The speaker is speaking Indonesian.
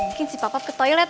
mungkin si papa ke toilet